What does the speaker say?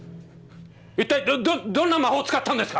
一体どどんな魔法を使ったんですか！